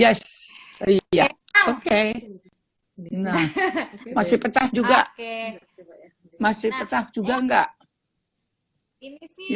hai hai yes ria oke nah masih pecah juga masih pecah juga enggak ini sih ya